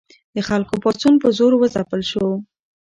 د خلکو پاڅون په زور وځپل شو.